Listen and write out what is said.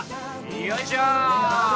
よいしょ！